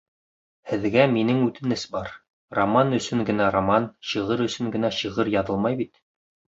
Һеҙгә минең үтенес бар, Роман өсөн генә роман, шиғыр өсөн генә шиғыр яҙылмай бит.